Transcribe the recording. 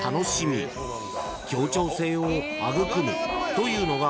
［というのが